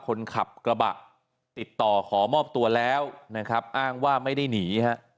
คนขับกระบะติดต่อขอมอบตัวแล้วนะครับอ้างว่าไม่ได้หนีฮะ